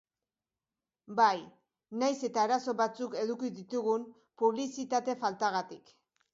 Bai, nahiz eta arazo batzuk eduki ditugun publizitate faltagatik.